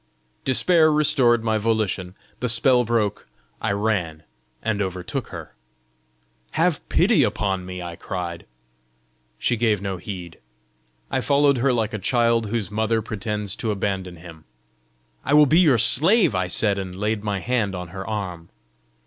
Despair restored my volition; the spell broke; I ran, and overtook her. "Have pity upon me!" I cried. She gave no heed. I followed her like a child whose mother pretends to abandon him. "I will be your slave!" I said, and laid my hand on her arm.